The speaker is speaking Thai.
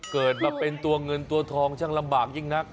เกิดมาเป็นตัวเงินตัวทองช่างลำบากยิ่งนัก